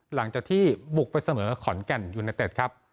หลังจากที่บุกไปเสมอขอนแก่นยูเนเต็ดครับ